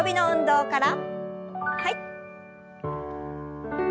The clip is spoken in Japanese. はい。